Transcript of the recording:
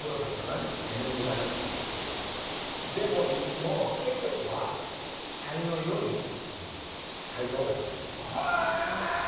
でも、いつも結局は才能より態度が大事です。